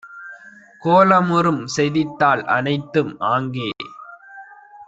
கோலமுறும் செய்தித்தாள் அனைத்தும் ஆங்கே